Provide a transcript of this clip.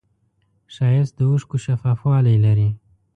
ښایست د اوښکو شفافوالی لري